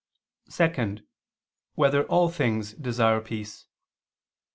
(2) Whether all things desire peace?